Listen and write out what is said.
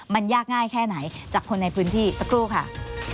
มันยากง่ายแค่ไหนจากคนในพื้นที่สักครู่ค่ะ